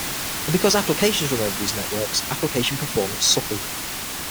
And because applications run over these networks, application performance suffers.